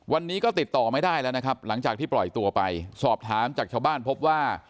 วันนี้ก็ติดต่อไม่ได้แล้วนะครับหลังจากที่ปล่อยตัวไปสอบถามจากชาวบ้านพบว่า